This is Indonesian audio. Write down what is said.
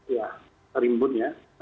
ya terimbun ya